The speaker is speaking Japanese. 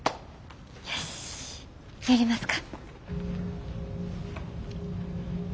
よしやりますか。